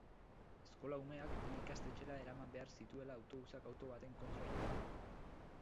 Eskola-umeak bi ikastetxera eraman behar zituen autobusak auto baten kontra jo du.